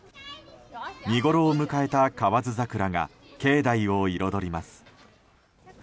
見ごろを迎えた河津桜が境内を彩ります。